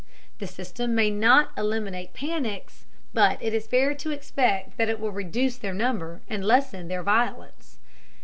The system may not eliminate panics, but it is fair to expect that it will reduce their number and lessen their violence.